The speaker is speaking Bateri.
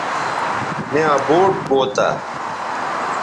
میاں بوٹ کوتہ